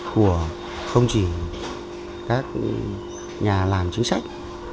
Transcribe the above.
của không chỉ các nhà làm chính sách